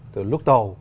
từ lúc đầu